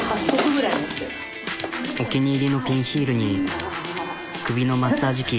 お気に入りのピンヒールに首のマッサージ機。